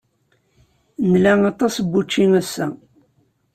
Nla aṭas n wučči ass-a.